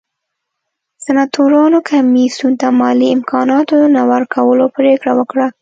سناتورانو کمېسیون ته مالي امکاناتو نه ورکولو پرېکړه وکړه